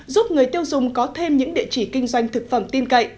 giúp người tiêu dùng có thêm những địa chỉ kinh doanh thực phẩm tin cậy